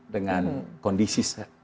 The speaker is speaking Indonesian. dengan kondisi saya